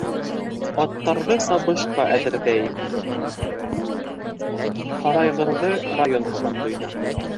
Аттарҙы сабышҡа әҙерҙәйем. һарайғырҙы - район һабантуйына!